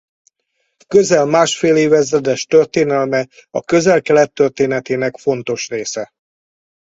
Közel másfél évezredes történelme a Közel-Kelet történetének fontos része.